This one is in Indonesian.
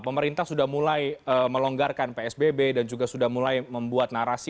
pemerintah sudah mulai melonggarkan psbb dan juga sudah mulai membuat narasi